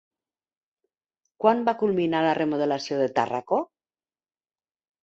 Quan va culminar la remodelació de Tàrraco?